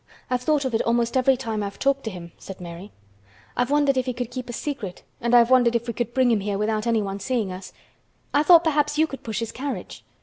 I've thought of it almost every time I've talked to him," said Mary. "I've wondered if he could keep a secret and I've wondered if we could bring him here without anyone seeing us. I thought perhaps you could push his carriage.